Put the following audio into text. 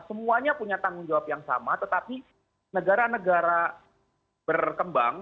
semuanya punya tanggung jawab yang sama tetapi negara negara berkembang